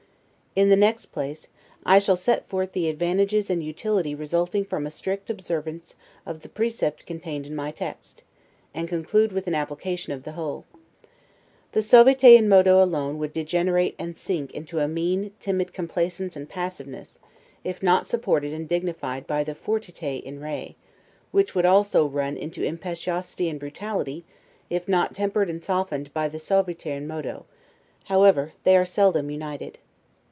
In the next place, I shall set forth the advantages and utility resulting from a strict observance of the precept contained in my text; and conclude with an application of the whole. The 'suaviter in modo' alone would degenerate and sink into a mean, timid complaisance and passiveness, if not supported and dignified by the 'fortiter in re', which would also run into impetuosity and brutality, if not tempered and softened by the 'suaviter in modo': however, they are seldom united.